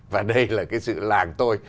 và đây là sự làng tôi